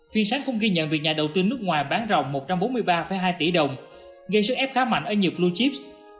phiên sáng cũng ghi nhận việc nhà đầu tư nước ngoài bán rồng một trăm bốn mươi ba hai tỷ đồng gây sức ép khá mạnh ở nhiều blue chips